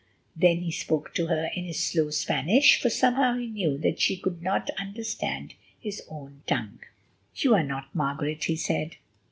Then he spoke to her in his slow Spanish, for somehow he knew that she would not understand his own tongue. "You are not Margaret," he said.